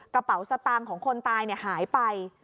กระเป๋าสตางค์ของคนตายหายไป